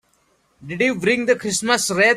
Did you bring the Christmas wreath?